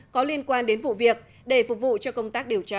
có liên quan đến vụ việc để phục vụ cho công tác điều tra